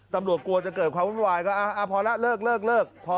ตำรวจกลัวจะเกิดความว่ายก็พอแล้วเลิก